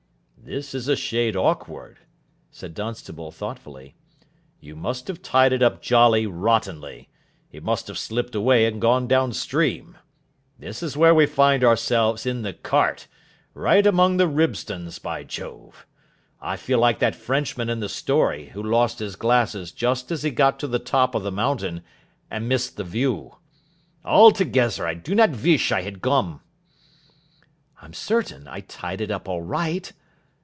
"This is a shade awkward," said Dunstable thoughtfully. "You must have tied it up jolly rottenly. It must have slipped away and gone down stream. This is where we find ourselves in the cart. Right among the ribstons, by Jove. I feel like that Frenchman in the story, who lost his glasses just as he got to the top of the mountain, and missed the view. Altogezzer I do not vish I 'ad kom." "I'm certain I tied it up all right.